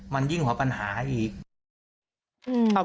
มันยิ่งกว่าปัญหาอีก